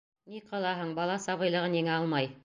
Ни ҡылаһың, бала сабыйлығын еңә алмай.